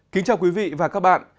kính chào quý vị và các bạn